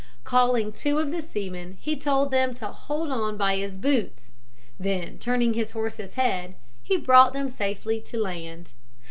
Calling two of the seamen, he told them to hold on by his boots; then turning his horse's head, he brought them safely to land.